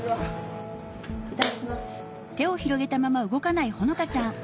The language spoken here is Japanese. いただきます。